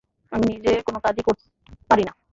আমি নিজে কোনো কাজই পারি না।